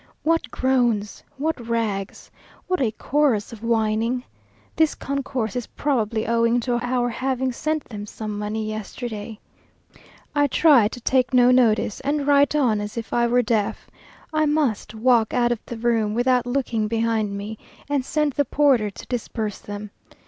What groans! what rags! what a chorus of whining! This concourse is probably owing to our having sent them some money yesterday. I try to take no notice, and write on as if I were deaf. I must walk out of the room, without looking behind me, and send the porter to disperse them.